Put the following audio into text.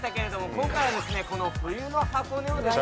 今回はこの冬の箱根をですね